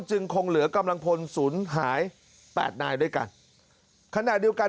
จึงคงเหลือกำลังพลศูนย์หายแปดนายด้วยกันขณะเดียวกัน